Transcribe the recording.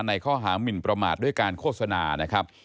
ในข้อหามินประมาทด้วยการโฆษณานะครับ